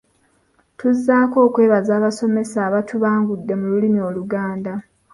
Tuzzaako okwebaza abasomesa abatubangudde mu lulimi Oluganda.